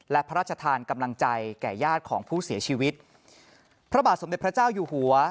และพระราชทานกำลังใจแก่ญาติของผู้เสียชีวิตพระบาทสมเด็จพระเจ้าอยู่หัว